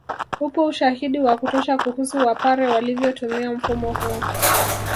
Upo ushahidi wa kutosha kuhusu Wapare walivyotumia mfumo huu